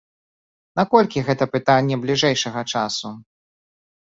Наколькі гэта пытанне бліжэйшага часу?